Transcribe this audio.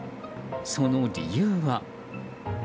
その理由は。